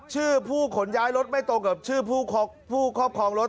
ชื่อผู้ขนย้ายรถไม่ตรงกับชื่อผู้ครอบครองรถ